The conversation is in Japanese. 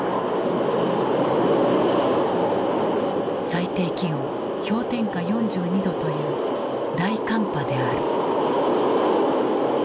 最低気温氷点下４２度という大寒波である。